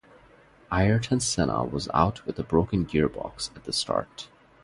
Ayrton Senna was out with a broken gearbox at the start.